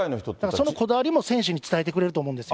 そのこだわりも選手に伝えてくれると思うんですよ。